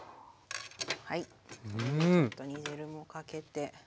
ちょっと煮汁もかけて。